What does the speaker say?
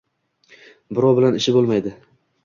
birov bilan ishi bo‘lmaydi.